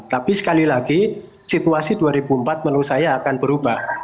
tapi sekali lagi situasi dua ribu empat menurut saya akan berubah